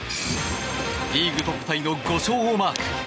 リーグトップタイの５勝をマーク。